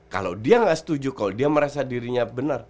kalau dia nggak setuju kalau dia merasa dirinya benar